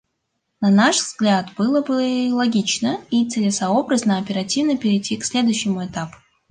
На наш взгляд, было бы и логично, и целесообразно оперативно перейти к следующему этапу.